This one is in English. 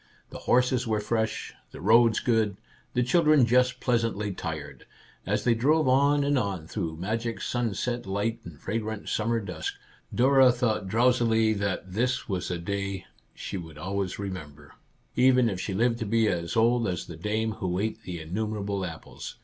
The horses were fresh, the roads good, the children just pleasantly tired. As they drove on and on through magic sunset light and fragrant sum mer dusk, Dora thought drowsily that this was a day she would always remember, even if she lived to be as old as the dame who ate the innumerable apples.